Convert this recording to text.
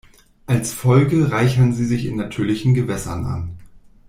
Als Folge reichern sie sich in natürlichen Gewässern an.